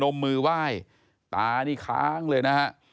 มมือไหว้ตานี่ค้างเลยนะฮะ